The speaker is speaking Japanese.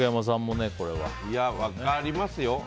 分かりますよ。